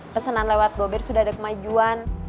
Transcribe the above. pesanan lewat gober sudah ada kemajuan